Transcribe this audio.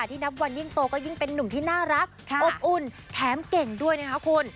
นับวันยิ่งโตก็ยิ่งเป็นนุ่มที่น่ารักอบอุ่นแถมเก่งด้วยนะคะคุณ